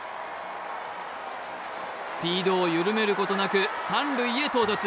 スピードを緩めることなく三塁へ到達。